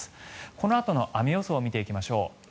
このあとの雨予想を見ていきましょう。